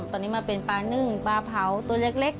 ตอนนี้มาเป็นปลานึ่งปลาเผาตัวเล็ก